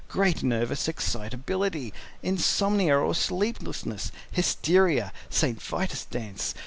Great Nervous Excitability. Insomnia or Sleeplessness. Hysteria. St. Vitus Dance.